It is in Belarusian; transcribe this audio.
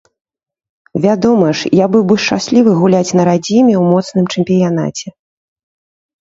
Вядома ж, я быў бы шчаслівы гуляць на радзіме, у моцным чэмпіянаце.